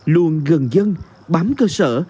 luôn gần dân bám cơ sở